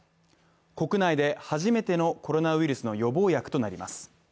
国内で初めてのコロナウイルスの予防薬となります。